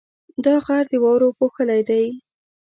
دا غر د واورو پوښلی دی.